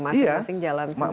masing masing jalan sendiri